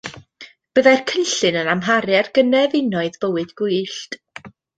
Byddai'r cynllun yn amharu ar gynefinoedd bywyd gwyllt.